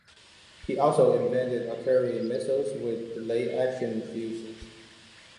He also invented artillery missiles with delayed-action fuses.